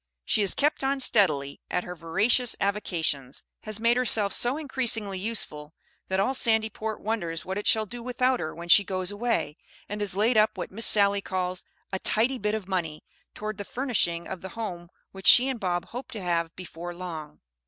She has kept on steadily at her various avocations, has made herself so increasingly useful that all Sandyport wonders what it shall do without her when she goes away, and has laid up what Miss Sally calls "a tidy bit of money" toward the furnishing of the home which she and Bob hope to have before long.